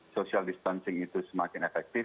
social distancing itu semakin efektif